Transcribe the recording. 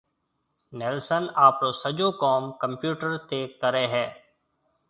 نيلسن آپرو سجو ڪوم ڪمپيوٽر تيَ ڪرَي ھيََََ